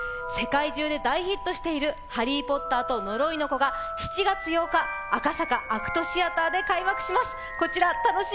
世界中で大ヒットしている「ハリー・ポッターと呪いの子」、７月８日、赤坂ＡＣＴシアターで開幕します。